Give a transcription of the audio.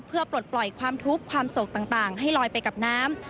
เพื่อปลดปล่อยความทุกข์ความโศกต่างให้ลอยไปกับน้ำ